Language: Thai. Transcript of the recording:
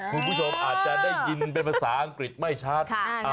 คุณผู้ชมอาจจะได้ยินเป็นภาษาอังกฤษไม่ชัด